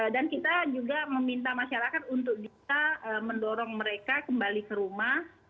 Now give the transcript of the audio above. dan kita juga meminta masyarakat untuk bisa mendorong mereka kembali ke rumah